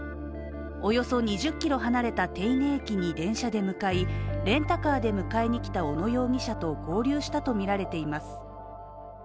およそ２０ｋｍ離れた手稲駅に電車で向かいレンタカーで迎えに来た小野容疑者と合流したとみられています。